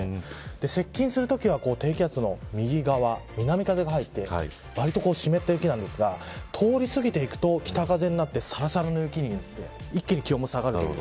接近するときは低気圧の右側南風が入ってわりと湿った雪なんですが通り過ぎていくと北風になって、さらさらの雪に一気に気温も下がるという。